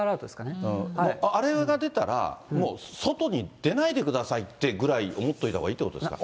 あれが出たら、もう外に出ないでくださいってぐらい、思っといたほうがいいってことですか。